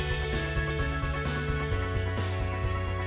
buton dengan segala pesonanya